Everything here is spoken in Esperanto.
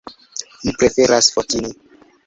Mi preferas Fotini.